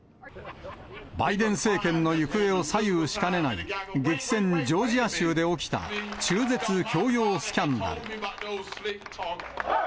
バイデン政権の行方を左右しかねない、激戦ジョージア州で起きた中絶強要スキャンダル。